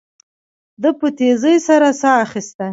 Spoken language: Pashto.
ده په تيزۍ سره ساه اخيسته.